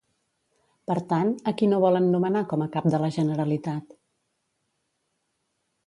Per tant, a qui no volen nomenar com a cap de la Generalitat?